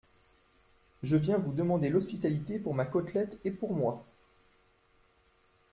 Je viens vous demander l’hospitalité pour ma côtelette et pour moi…